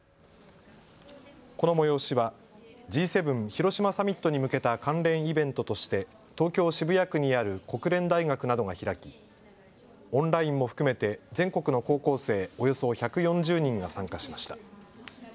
この催しはＧ７広島サミットに向けた関連イベントとして東京渋谷区にある国連大学などが開きオンラインも含めて全国の高校生およそ１４０人が参加しました。